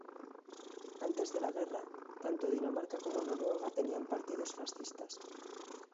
Antes de la guerra, tanto Dinamarca como Noruega tenían partidos fascistas.